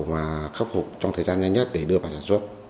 và khắc phục trong thời gian nhanh nhất để đưa vào sản xuất